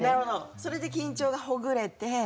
それで緊張がほぐれて。